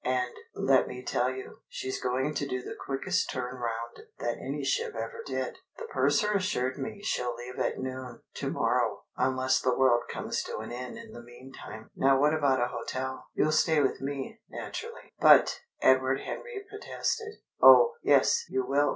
... And, let me tell you, she's going to do the quickest turn round that any ship ever did. The purser assured me she'll leave at noon to morrow unless the world comes to an end in the meantime. Now what about a hotel?" "You'll stay with me naturally." "But " Edward Henry protested. "Oh, yes, you will.